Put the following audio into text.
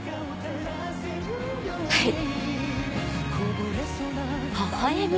はい。